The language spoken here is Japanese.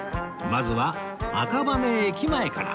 まずは赤羽駅前から